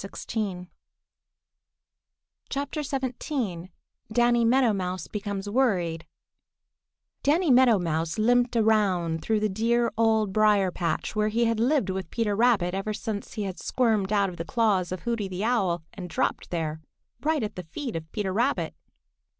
XVII DANNY MEADOW MOUSE BECOMES WORRIED DANNY MEADOW MOUSE limped around through the dear Old Briar patch, where he had lived with Peter Rabbit ever since he had squirmed out of the claws of Hooty the Owl and dropped there, right at the feet of Peter Rabbit.